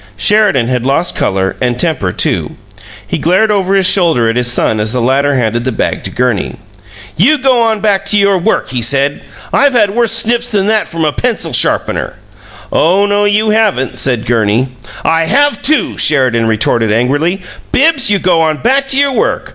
Sheridan had lost color, and temper, too. He glared over his shoulder at his son as the latter handed the bag to Gurney. "You go on back to your work," he said. "I've had worse snips than that from a pencil sharpener." "Oh no, you haven't!" said Gurney. "I have, too!" Sheridan retorted, angrily. "Bibbs, you go on back to your work.